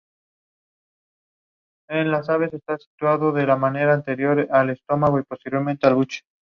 He is remembered for his work with the botanical family Malpighiaceae.